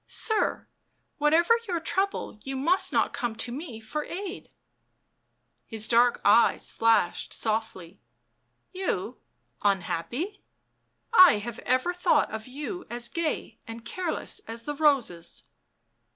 Sir, whatever your trouble you must not come to me for aid." His dark eyes flashed softly. " You — unhappy ? I have ever thought of you as gay and careless as the roses."